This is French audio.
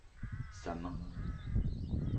Sa main.